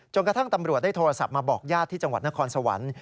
กระทั่งตำรวจได้โทรศัพท์มาบอกญาติที่จังหวัดนครสวรรค์